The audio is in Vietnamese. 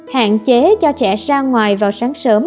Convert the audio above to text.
hạn chế cho trẻ ra ngoài vào sáng sớm